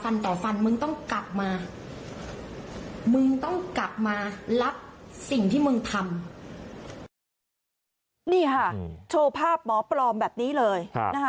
นี่ค่ะโชว์ภาพหมอปลอมแบบนี้เลยนะคะ